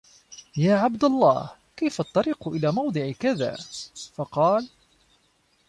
يَا عَبْدَ اللَّهِ كَيْفَ الطَّرِيقُ إلَى مَوْضِعِ كَذَا ؟ فَقَالَ